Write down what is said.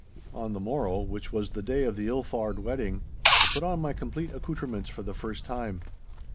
On the morrow, which was the day of the ill faured wedding, I put on my complete accoutrements for the first time.